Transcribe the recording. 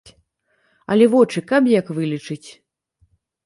Але вочы каб як вылечыць.